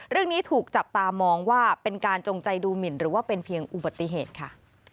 เรื่องนี้ถูกจับตามองว่าเป็นการจงใจดูหมินหรือว่าเป็นเพียงอุบัติเหตุค่ะ